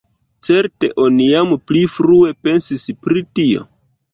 Certe oni jam pli frue pensis pri tio?